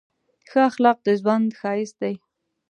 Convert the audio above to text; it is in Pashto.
ښه اخلاق د ژوند ښایست دی.